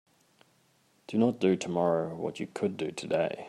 Do not do tomorrow what you could do today.